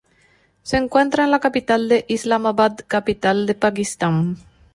Se encuentra en la ciudad de Islamabad, capital de Pakistán.